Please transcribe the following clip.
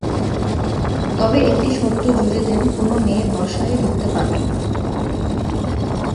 তবে একটি শর্ত জুড়ে দেন, কোনো মেয়ে বাসায় ঢুকতে পারবে না।